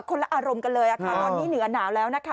ละอารมณ์กันเลยค่ะตอนนี้เหนือหนาวแล้วนะคะ